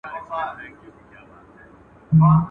شل کاله دي فقروکی ، د جمعې شپه دي ونه پېژنده.